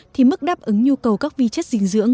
thì mức đáp ứng nhu cầu các vi chất dinh dưỡng